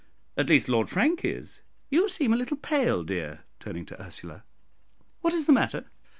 at least Lord Frank is. You seem a little pale, dear," turning to Ursula; "what is the matter?"